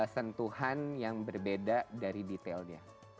sentuhan yang berbeda dari detailnya